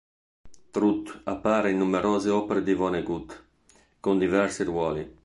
Trout appare in numerose opere di Vonnegut, con diversi ruoli.